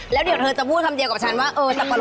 แล้วเดี๋ยวเธอจะพูดคำเดียวกับฉันว่าเออสับปะร